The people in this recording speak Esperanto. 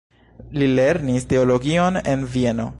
Li lernis teologion en Vieno.